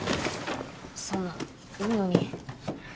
そんないいのに。